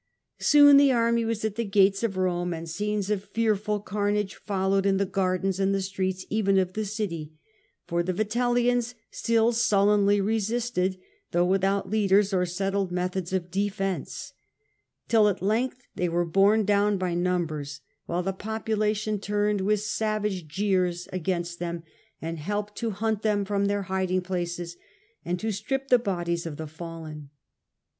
Soon the army was at the gates of Rome, and scenes of fearful carnage followed in the gardens and the streets even of the city, for the Vitellians still sullenly resisted, though without leaders or settled methods of defence, till at length key were borne down by numbers, while the population turned with savage jeers against them and helped to hunt them from their hiding places and to strip the bodies of the fallen.